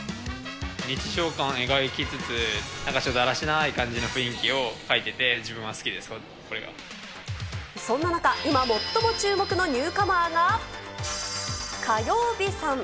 日常感を描きつつ、なんかちょっとだらしない感じの雰囲気を描いてて自分は好きです、そんな中、今最も注目のニューカマーが、火曜びさん。